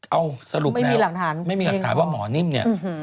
เอาสรุปนะไม่มีหลักฐานว่าหมอนิ่มเนี่ย